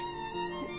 えっ？